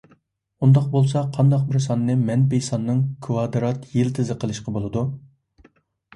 ئۇنداق بولسا، قانداق بىر ساننى مەنپىي ساننىڭ كىۋادرات يىلتىزى قىلىشقا بولىدۇ؟